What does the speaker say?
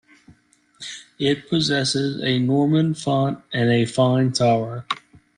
It possesses a Norman font and a fine tower.